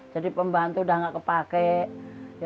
jadi pembantu sudah tidak terpakai